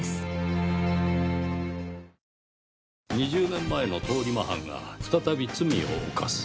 「２０年前の通り魔犯が再び罪を犯す」。